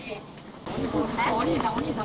お兄さん、お兄さん。